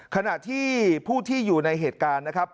ขณะที่ผู้ที่อยู่ในเหตุการณ์นะครับ